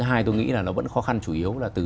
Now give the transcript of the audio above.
hai tôi nghĩ là nó vẫn khó khăn chủ yếu là từ